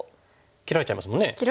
切られちゃいますもんね。